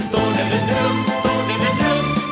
tôn đẹp đơn thương tôn đẹp đơn thương